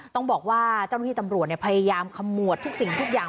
ต้องบอกว่าท่านวงที่ทำรวดพยายามขโมททุกสิ่งทุกอย่าง